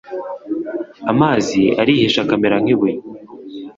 Amazi arihisha akamera nk ibuye